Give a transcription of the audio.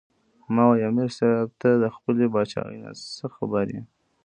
" ـ ما وې " امیر صېب تۀ د خپلې باچائۍ نه څۀ خبر ئې